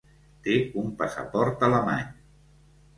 Té un passaport alemany.